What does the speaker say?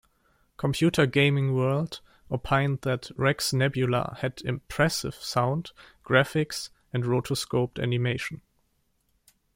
"Computer Gaming World" opined that "Rex Nebular" had "impressive" sound, graphics, and rotoscoped animation.